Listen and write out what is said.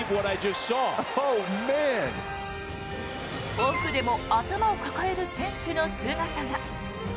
奥でも頭を抱える選手の姿が。